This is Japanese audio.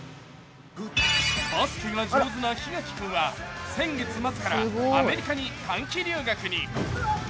バスケが上手な檜垣君は先月末からアメリカに短期留学に。